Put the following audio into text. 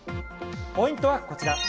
ポイントはこちら。